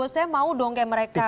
saya mau dong kayak mereka